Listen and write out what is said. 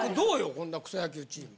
こんな草野球チーム。